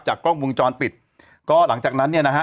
กล้องวงจรปิดก็หลังจากนั้นเนี่ยนะฮะ